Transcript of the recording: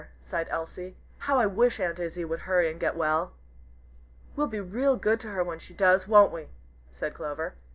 sighed Elsie. "How I wish Aunt Izzie would hurry and get well." "We'll be real good to her when she does, won't we?" said Clover.